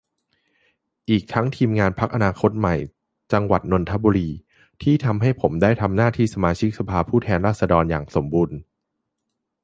อีกทั้งทีมงานพรรคอนาคตใหม่จังหวัดนนทบุรี ที่ทำให้ผมได้ทำหน้าที่สมาชิกสภาผู้แทนราษฎรอย่างสมบูรณ์